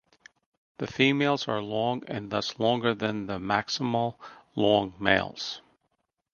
The females are long and thus longer than the maximal long males.